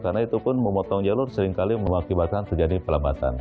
karena itu pun memotong jalur seringkali mengakibatkan terjadi pelambatan